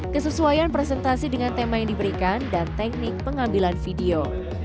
kesesuaian presentasi dengan tema yang diberikan dan teknik pengambilan video